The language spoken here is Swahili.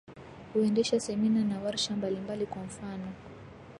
huendesha semina na warsha mbalimbali Kwa mfano